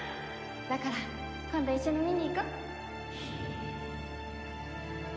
だから今度一緒に見に行こう！